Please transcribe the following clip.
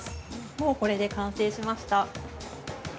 もうこれで完成しました。